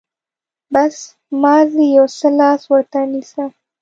بس، مازې يو څه لاس ورته نيسه.